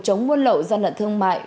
chống nguồn lậu gian lận thương mại